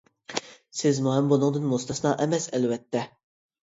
سىزمۇ ھەم بۇنىڭدىن مۇستەسنا ئەمەس، ئەلۋەتتە.